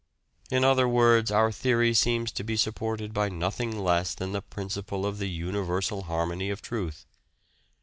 In other words our theory seems to be supported by nothing less than the principle of the universal harmony of truth.